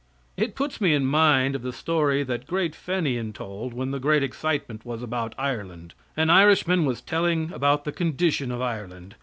It puts me in mind of the story that great Fenian told when the great excitement was about Ireland. An Irishman was telling about the condition of Ireland.